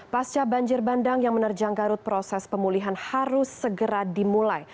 pasca banjir bandang yang menerjang garut proses pemulihan harus segera dimulai